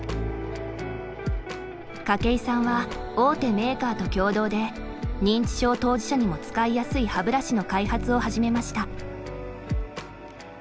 筧さんは大手メーカーと共同で認知症当事者にも使いやすい歯ブラシの開発を始めました。